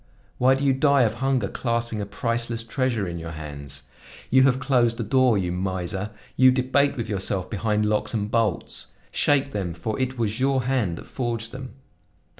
Why do you die of hunger clasping a priceless treasure in your hands? You have closed the door, you miser; you debate with yourself behind locks and bolts. Shake them, for it was your hand that forged them.